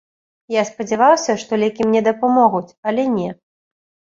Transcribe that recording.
Я спадзяваўся, што лекі мне дапамогуць, але не.